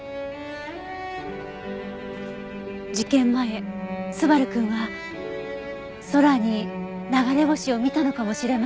事件前昴くんは空に流れ星を見たのかもしれません。